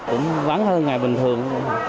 cũng vắng hơn ngày bình thường